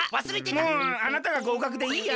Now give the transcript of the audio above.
もうあなたがごうかくでいいや。